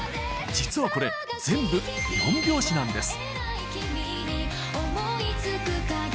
実はこれ全部４拍子なんです。